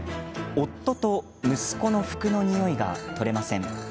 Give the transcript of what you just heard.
夫と息子の服のにおいが取れません。